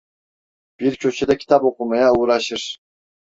Bir köşede kitap okumaya uğraşır.